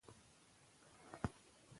پښتو ژبه زموږ شتمني ده.